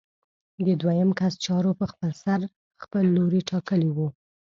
د دویم کس چارو په خپلسر خپل لوری ټاکلی وي.